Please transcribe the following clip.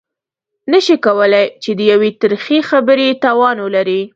نه شي کولای چې د يوې ترخې خبرې توان ولري.